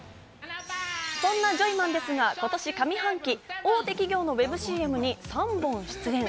そんなジョイマンですが今年上半期、大手企業のウェブＣＭに３本出演。